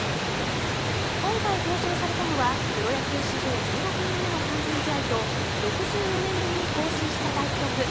今回表彰されたのはプロ野球史上１６人目の完全試合と６４年ぶりに更新した大記録